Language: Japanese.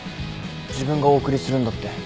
自分がお送りするんだって。